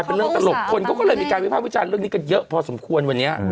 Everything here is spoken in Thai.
เป็นเรื่องตลกคนเขาก็เลยมีการวิภาควิจารณ์เรื่องนี้กันเยอะพอสมควรวันนี้